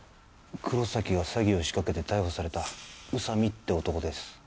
黒崎が詐欺を仕掛けて逮捕された宇佐美って男です